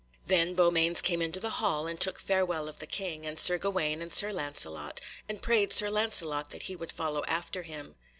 Then Beaumains came into the hall, and took farewell of the King, and Sir Gawaine and Sir Lancelot, and prayed Sir Lancelot that he would follow after him.